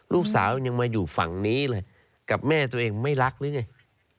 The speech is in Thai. ลูกสาวยังมาอยู่ฝั่งนี้เลยกับแม่ตัวเองไม่รักหรือไง